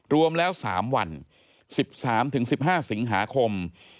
รวมแล้ว๓วัน๑๓๑๕สิงหาคม